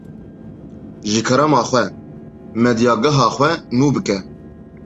Ji kerama xwe, medyageha xwe nû bike.